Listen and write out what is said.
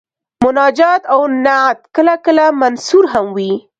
مناجات او نعت کله کله منثور هم وي.